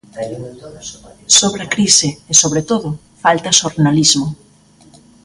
Sobra crise e, sobre todo, falta xornalismo.